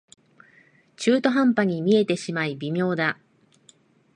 中途半端に見えてしまい微妙だ